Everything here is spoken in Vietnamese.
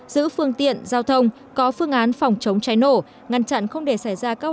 giữ phương tiện giao thông có phương án phòng chống cháy nổ ngăn chặn không để xảy ra các